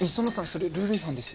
それルール違反です。